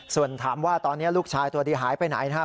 ส่วนถามว่าตอนนี้ลูกชายตัวดีหายไปไหนนะครับ